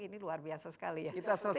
ini luar biasa sekali ya